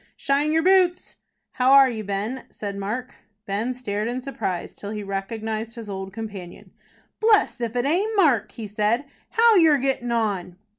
"Shine yer boots?" "How are you, Ben?" said Mark. Ben stared in surprise till he recognized his old companion. "Blest if it aint Mark," he said. "How you're gettin on!"